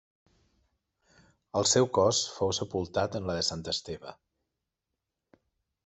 El seu cos fou sepultat en la de Sant Esteve.